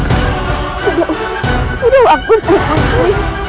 sudah sudah waktu gusti